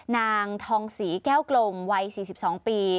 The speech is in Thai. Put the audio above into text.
นางทองศรีแก้วกลมวัย๔๒ปี